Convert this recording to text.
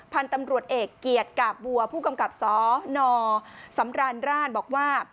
พันธุ์ตำรวจเอกเกียรติกาบบัวผู้กำกับสนสำราญราชบอกว่า